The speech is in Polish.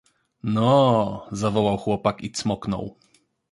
— Noo! — zawołał chłopak i cmoknął.